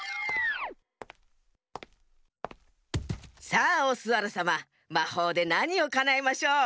さあオスワルさままほうでなにをかなえましょう？